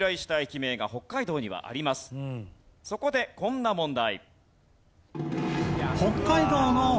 そこでこんな問題。